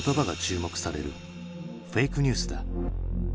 「フェイクニュース」だ。